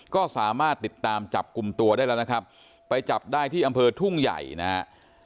ก็สามารถติดตามจับกลุ่มตัวได้แล้วนะครับไปจับได้ที่อำเภอทุ่งใหญ่นะฮะ